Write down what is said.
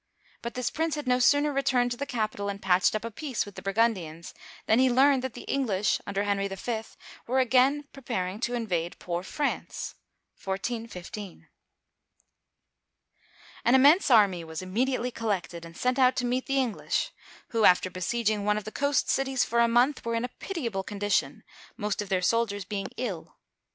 But this prince had no sooner returned to the capital and patched up a peace with the Burgundians, than he learned that the English, under Henry V., were again preparing to invade poor France (141S). An immense army was immediately collected, and sent out to meet the English, who, after besieging one of the coast cities for a month, were in a pitiable condition, most of their soldiers being ill.